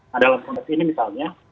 nah dalam konteks ini misalnya